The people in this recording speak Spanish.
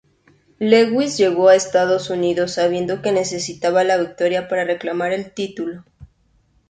Lewis llegó a Estados Unidos sabiendo que necesitaba la victoria para reclamar el título.